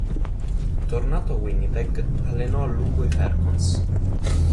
Tornato a Winnipeg, allenò a lungo i Falcons.